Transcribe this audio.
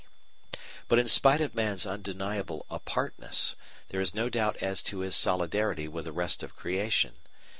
] But in spite of man's undeniable apartness, there is no doubt as to his solidarity with the rest of creation.